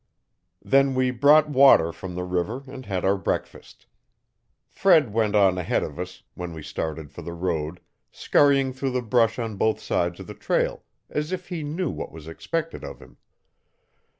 Then we brought water from the river and had our breakfast. Fred went on ahead of us, when we started for the road, scurrying through the brush on both sides of the trail, as if he knew what was expected of him.